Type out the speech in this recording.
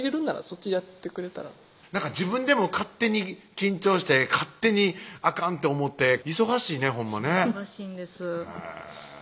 そっちやってくれたら自分でも勝手に緊張して勝手にあかんって思って忙しいねほんまね忙しいんです